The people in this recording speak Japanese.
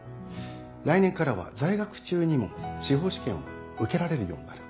来年からは在学中にも司法試験を受けられるようになる。